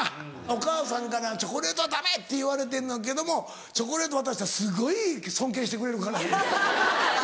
お母さんからチョコレートはダメって言われてんのんけどもチョコレート渡したらすごい尊敬してくれるから。